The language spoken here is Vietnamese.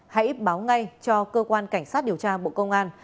hãy báo ngay cho cơ quan cảnh sát điều tra bộ công an